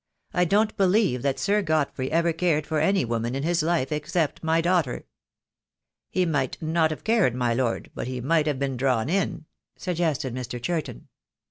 I don't believe that Sir Godfrey ever cared for any woman in his life except my daughter." "He might not have cared, my Lord, but he might have been drawn in," suggested Mr. Churton.